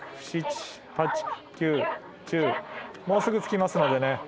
もうすぐ着きますのでね。